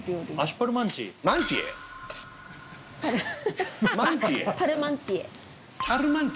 パルマンティエ。